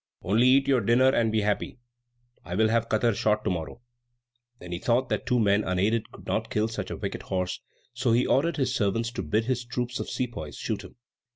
"Only eat your dinner and be happy. I will have Katar shot to morrow." Then he thought that two men unaided could not kill such a wicked horse, so he ordered his servants to bid his troop of sepoys shoot him.